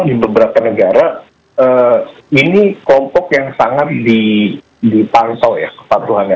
di beberapa negara ini kelompok yang sangat dipantau ya kepatuhannya